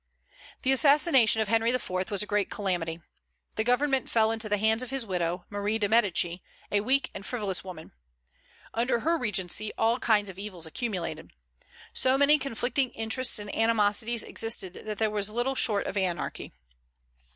The assassination of Henry IV. was a great calamity. The government fell into the hands of his widow, Marie de Médicis, a weak and frivolous woman. Under her regency all kinds of evils accumulated. So many conflicting interests and animosities existed that there was little short of anarchy.